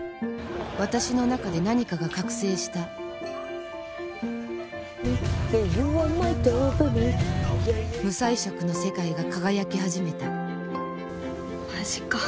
私の中で何かが覚醒した無彩色の世界が輝き始めたマジか。